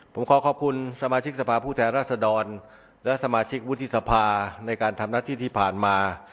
ผมขอขอบคุณสมาชิกสภาพผู้แทนรัศดรและสมาชิกวุฒิสภาในการทำหน้าที่ที่ผ่านมา